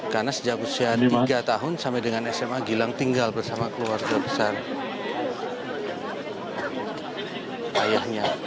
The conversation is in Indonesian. karena sejak usia tiga tahun sampai dengan sma gilang tinggal bersama keluarga besar ayahnya